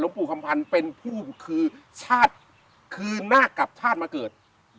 ปู่คำพันธ์เป็นผู้คือชาติคืนหน้ากลับชาติมาเกิด